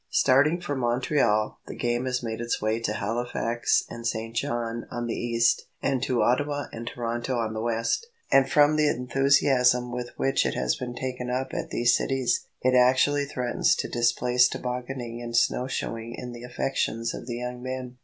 Starting from Montreal, the game has made its way to Halifax and St. John on the east, and to Ottawa and Toronto on the west, and from the enthusiasm with which it has been taken up at these cities, it actually threatens to displace tobogganing and snow shoeing in the affections of the young men.